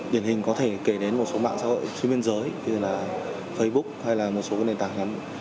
điển hình có thể kể đến một số mạng xã hội trên biên giới như facebook hay một số nền tảng ngắn